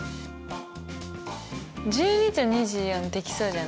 １２と２４できそうじゃない？